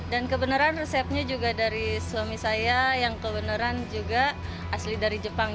dan kebeneran resepnya juga dari suami saya yang kebeneran juga asli dari jepang